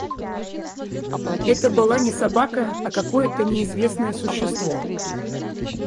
Это была не собака, а какое-то неизвестное существо.